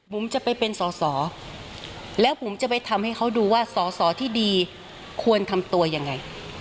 ผมจะไปเป็นสอสอแล้วผมจะไปทำให้เขาดูว่าสอสอที่ดีควรทำตัวยังไง